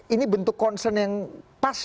ini bentuk concern yang pas